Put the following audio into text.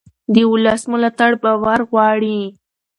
د ولس ملاتړ باور غواړي